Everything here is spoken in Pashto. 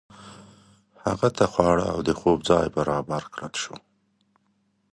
هغه ته خواړه او د خوب ځای برابر کړل شو.